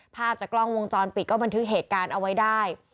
ภาพจากกล้องวงจรปิดก็บันทึกเหตุการณ์เอาไว้ได้